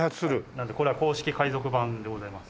なのでこれは公式海賊版でございますね。